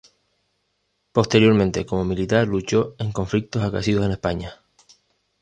Posteriormente, como militar luchó en conflictos acaecidos en España.